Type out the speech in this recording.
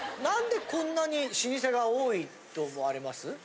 何でこんなに老舗が多いと思われます？